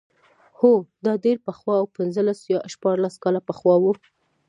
هو دا ډېر پخوا و پنځلس یا شپاړس کاله پخوا و.